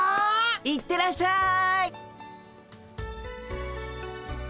行ってらっしゃい。